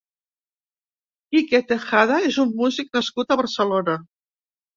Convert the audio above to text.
Quique Tejada és un músic nascut a Barcelona.